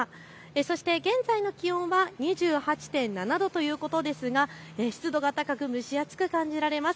そして現在の気温は２８．７度ということですが湿度が高く蒸し暑く感じられます。